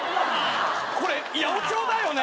これ八百長だよね？